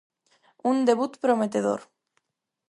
Un debut prometedor.